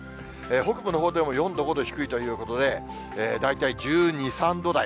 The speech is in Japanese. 北部のほうでも４度、５度低いということで、大体１２、３度台。